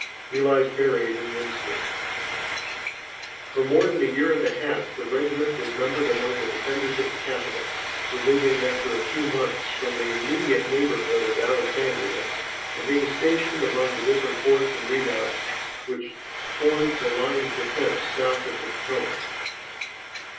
He lies buried in Winsted. [Illustration: Fort Ellsworth, near Alexandria, May, 1863] For more than a year and a half the regiment was numbered among the defenders of the capital, removing after a few months from the immediate neighborhood of Alexandria, and being stationed among the different forts and redoubts which formed the line of defence south of the Potomac.